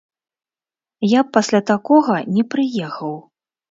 Я б пасля такога не прыехаў.